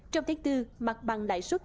trong tháng bốn mặt bằng lãi suất